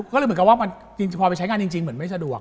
ก็เลยเหมือนกับว่าจริงพอไปใช้งานจริงเหมือนไม่สะดวก